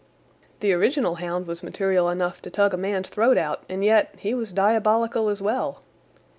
"The original hound was material enough to tug a man's throat out, and yet he was diabolical as well."